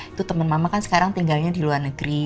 itu teman mama kan sekarang tinggalnya di luar negeri